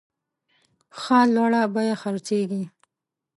ښه لوړه بیه خرڅیږي.